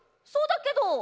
そうだけど。